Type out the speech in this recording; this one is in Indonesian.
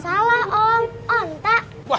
salah om onta